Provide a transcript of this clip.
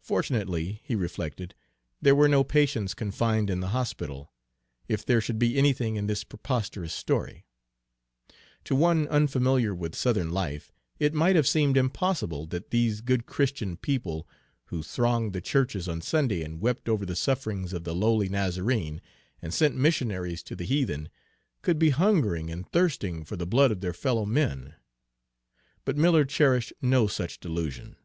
Fortunately, he reflected, there were no patients confined in the hospital, if there should be anything in this preposterous story. To one unfamiliar with Southern life, it might have seemed impossible that these good Christian people, who thronged the churches on Sunday, and wept over the sufferings of the lowly Nazarene, and sent missionaries to the heathen, could be hungering and thirsting for the blood of their fellow men; but Miller cherished no such delusion.